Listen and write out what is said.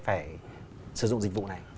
phải sử dụng dịch vụ này